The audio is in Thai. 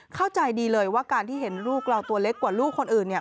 เข้าใจดีเลยว่าการที่เห็นลูกเราตัวเล็กกว่าลูกคนอื่นเนี่ย